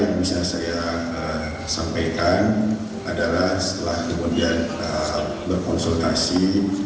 yang bisa saya sampaikan adalah setelah kemudian berkonsultasi